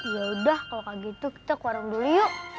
yaudah kalau kayak gitu kita ke warung dulu yuk